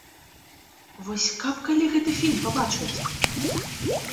Вось каб калі гэты фільм пабачыць?!